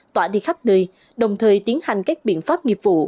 tỏa đi khắp nơi đồng thời tiến hành các biện pháp nghiệp vụ